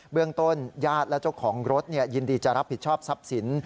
เรื่องต้นญาติและเจ้าของรถยินดีจะรับผิดชอบทรัพย์สิน